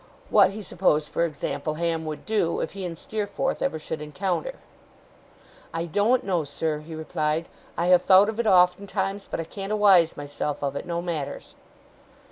What he supposed, for example, Ham would do, if he and Steerforth ever should encounter? 'I doen't know, sir,' he replied. 'I have thowt of it oftentimes, but I can't awize myself of it, no matters.